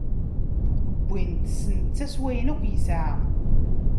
Wwin-t, s netta, s wayen akk yesɛa.